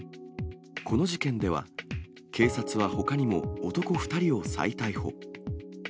この事件では、警察はほかにも男２人を再逮捕。